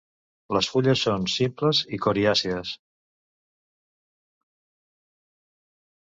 Les fulles són simples i coriàcies.